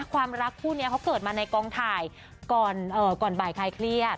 ความรักคู่นี้เขาเกิดมาในกองถ่ายก่อนบ่ายคลายเครียด